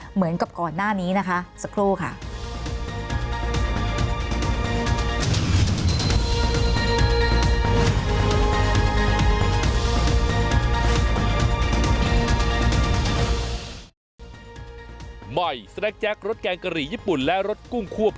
เหมือนกับก่อนหน้านี้นะคะสักครู่ค่ะ